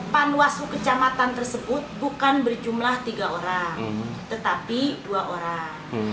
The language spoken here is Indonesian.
panwaslu kecamatan tersebut bukan berjumlah tiga orang tetapi dua orang